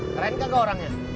keren gak orangnya